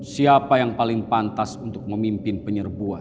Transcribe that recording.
siapa yang paling pantas untuk memimpin penyerbuan